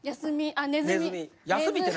あネズミ。